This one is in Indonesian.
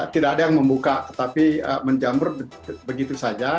tidak ada yang membuka tetapi menjamur begitu saja